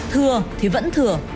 thừa thì vẫn thừa